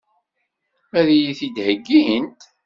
Ad iyi-t-id-heggint?